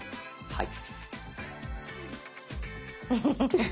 はい。